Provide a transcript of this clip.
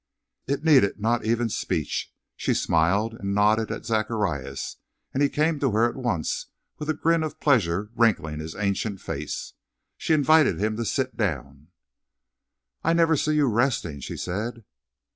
It needed not even speech; she smiled and nodded at Zacharias, and he came to her at once with a grin of pleasure wrinkling his ancient face. She invited him to sit down. "I never see you resting," she said.